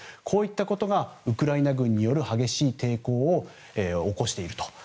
こういったことがウクライナ軍による激しい抵抗を起こしていると。